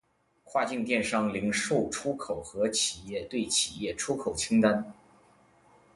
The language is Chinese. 跨境电商零售出口和企业对企业出口清单